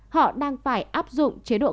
họ đang phải áp dụng chế độ rào